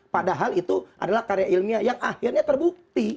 padahal itu adalah karya ilmiah yang akhirnya terbukti